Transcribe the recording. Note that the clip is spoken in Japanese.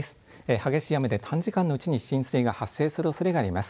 激しい雨で短時間のうちに浸水が発生するおそれがあります。